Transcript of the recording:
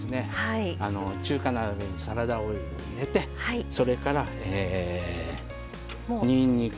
中華鍋にサラダオイルを入れてそれからにんにく。